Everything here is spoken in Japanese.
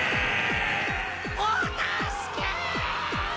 ・お助け！